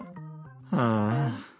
ああ。